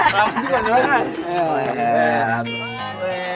ramus juga nih orangnya